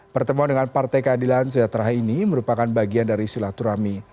pertemuan dengan partai keadilan sejahtera ini merupakan bagian dari silaturahmi